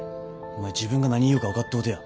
お前自分が何言うか分かっとうとや。